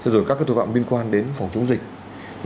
rồi các tội phạm liên quan đến phòng chống dịch